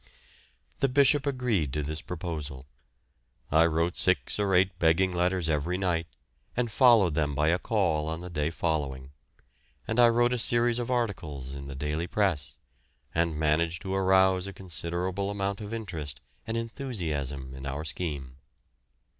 The Bishop agreed to this proposal. I wrote six or eight begging letters every night and followed them by a call on the day following, and I wrote a series of articles in the daily press, and managed to arouse a considerable amount of interest and enthusiasm in our scheme.